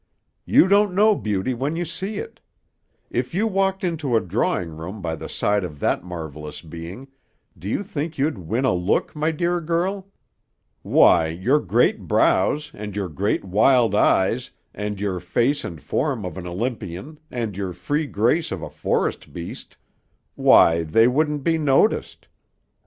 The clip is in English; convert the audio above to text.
"You don't know beauty when you see it. If you walked into a drawing room by the side of that marvelous being, do you think you'd win a look, my dear girl? Why, your great brows and your great, wild eyes and your face and form of an Olympian and your free grace of a forest beast why, they wouldn't be noticed.